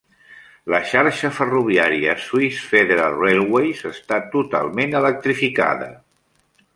La xarxa ferroviària Swiss Federal Railways està totalment electrificada.